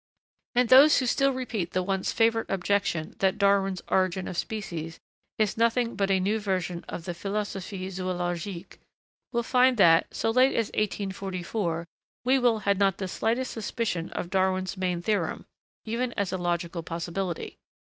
And those who still repeat the once favorite objection that Darwin's 'Origin of Species' is nothing but a new version of the 'Philosophie zoologique' will find that, so late as 1844, Whewell had not the slightest suspicion of Darwin's main theorem, even as a logical possibility.